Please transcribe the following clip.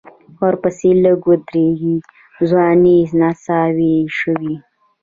ورپسې لږ و ډېرې ځوانې نڅاوې شوې.